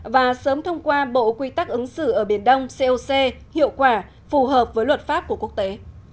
và sớm thông qua bộ quy tắc ứng xử ở biển đông coc hiệu quả phù hợp với luật pháp của quốc tế